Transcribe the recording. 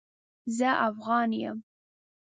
زه افغان يم